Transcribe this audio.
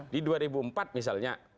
di dua ribu empat misalnya